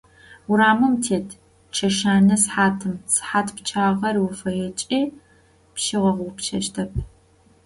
Урамым тет чэщанэ сыхьатым, сыхьат пчъагъэр уфаекӏи пщигъэгъупшэщтэп.